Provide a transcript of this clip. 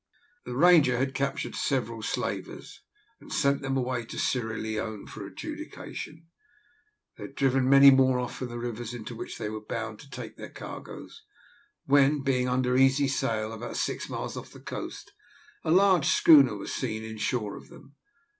The Ranger had captured several slavers, and sent them away to Sierra Leone for adjudication, and had driven many more off from the rivers into which they were bound to take in their cargoes, when, being under easy sail, about six miles off the coast, a large schooner was seen in shore of them.